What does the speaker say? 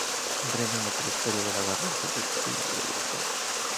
Drenan el territorio los barrancos del Pinar y la Conca.